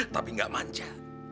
tapi gak manja